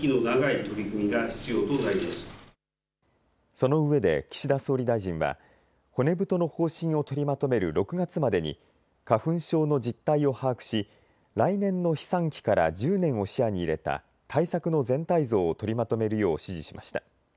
そのうえで岸田総理大臣は骨太の方針を取りまとめる６月までに花粉症の実態を把握し来年の飛散期から１０年を視野に入れた対策の全体像を取りまとめるよう指示しました。